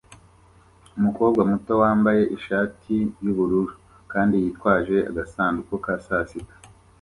Umukobwa muto wambaye ishati yubururu kandi yitwaje agasanduku ka sasita